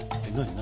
何？